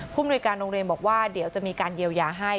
มนุยการโรงเรียนบอกว่าเดี๋ยวจะมีการเยียวยาให้